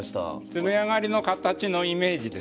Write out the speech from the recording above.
詰め上がりの形のイメージですね。